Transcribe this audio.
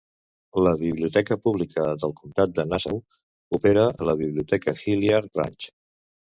La Biblioteca pública del Comtat de Nassau opera la Biblioteca Hilliard Branch.